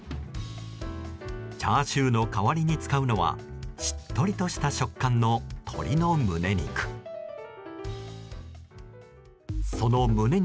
チャーシューの代わりに使うのはしっとりとした食感の鶏の胸肉。